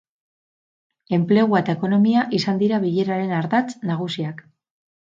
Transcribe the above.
Enplegua eta ekonomia izan dira bileraren ardatz nagusiak.